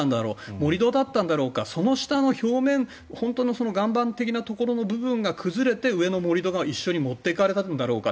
盛り土だったんだろうかその下の本当の岩盤的なところの部分が崩れて上の盛り土が一緒に持っていかれたんだろうか。